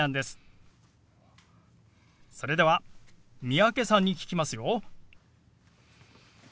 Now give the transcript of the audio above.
それでは三宅さんに聞きますよ。